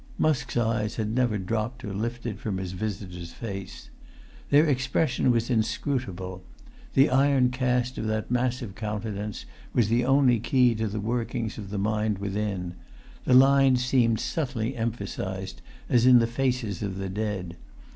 Musk's eyes had never dropped or lifted from his visitor's face. Their expression was inscrutable. The iron cast of that massive countenance was the only key to the workings of the mind within: the lines seemed subtly emphasised, as in the faces of the dead.